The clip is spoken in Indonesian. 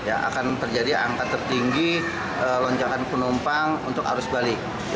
akan terjadi angka tertinggi lonjakan penumpang untuk arus balik